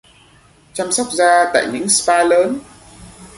Chăm sóc da tại những spa lớn